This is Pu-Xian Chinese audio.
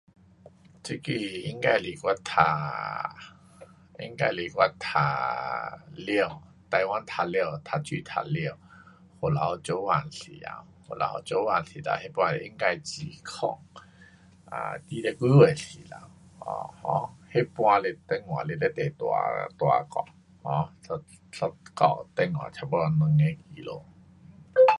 这个应该是我读，应该是我读了，台湾读了，读书读了回来做工时头，回来做工时头，那次应该二零，um 二十多岁时头 um um 那次是电话是非常大，大架，um 一，一架电话差不多两个 kilo